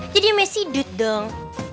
jadi messi dut dong